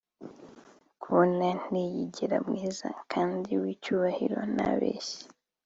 Kubo niyigira mwiza kandi wicyubahiro ntabeshya